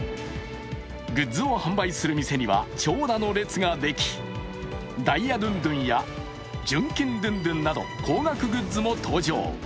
グッズを販売する店には長蛇の列ができ、ダイヤドゥンドゥンや純金ドゥンドゥンなど高額グッズも登場。